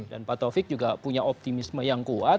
dan pak taufik juga punya optimisme yang kuat